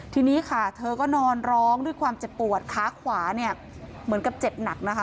ทีนี้ค่ะเธอก็นอนร้องด้วยความเจ็บปวดขาขวาเนี่ยเหมือนกับเจ็บหนักนะคะ